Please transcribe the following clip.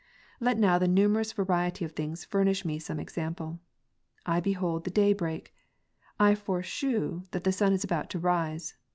Let now the numerous variety of things furnish me some ex ample. I behold the day break, I foreshew, that the sun is about to rise.